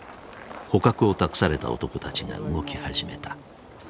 捕獲を託された男たちが動き始めた。